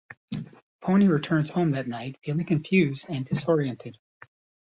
Pony returns home that night feeling confused and disoriented.